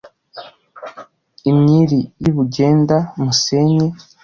imyiri y’i bugenda-musenyi,